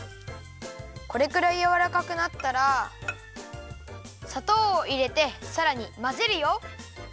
これくらいやわらかくなったらさとうをいれてさらにまぜるよ。